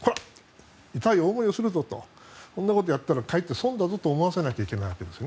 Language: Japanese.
痛い思いをするぞとそんなことをやったら損だぞと思わせなきゃいけないわけです。